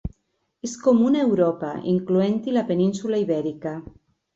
És comuna a Europa, incloent-hi la península Ibèrica.